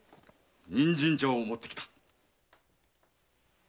人参茶を持ってきた。